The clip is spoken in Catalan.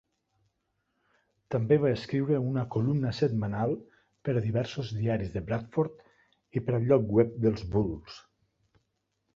També va escriure una columna setmanal per a diversos diaris de Bradford i per al lloc web dels Bulls.